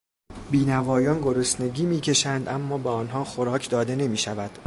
بینوایان گرسنگی میکشند اما به آنها خوراک داده نمیشود.